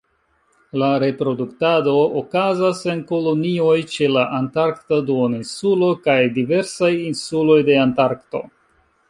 La reproduktado okazas en kolonioj ĉe la Antarkta Duoninsulo, kaj diversaj insuloj de Antarkto.